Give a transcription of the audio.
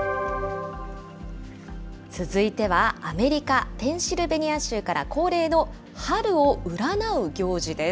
続いてはアメリカ・ペンシルベニア州から恒例の春を占う行事です。